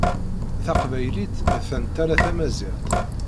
Taqbaylit d tantala tamaziɣt.